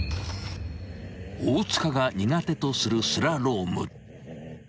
［大塚が苦手とするスラローム］